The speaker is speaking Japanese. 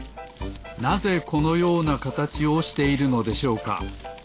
なぜこのようなかたちをしているのでしょうか？